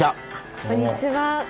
こんにちは。